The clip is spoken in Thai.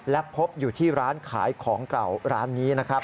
และพบอยู่ที่ร้านขายของเก่าร้านนี้นะครับ